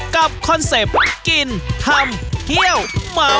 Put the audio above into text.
กับคอนเซปกินทำเที่ยวเมา